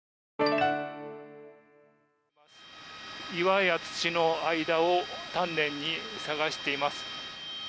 岩や土の間を丹念に捜しています。